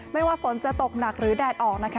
ไม่ว่าฝนจะตกหนักหรือแดดออกนะคะ